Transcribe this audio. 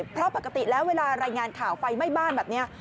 เพราะปกติแล้วเวลารายงานข่าวไฟไหม้บ้านแบบนี้